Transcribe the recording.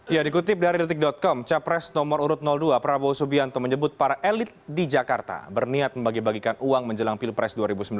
ya dikutip dari detik com capres nomor urut dua prabowo subianto menyebut para elit di jakarta berniat membagi bagikan uang menjelang pilpres dua ribu sembilan belas